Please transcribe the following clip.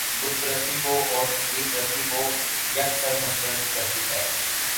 بت پرستی کو اور تصویر پرستی کو یک سر مسترد کرتی ہے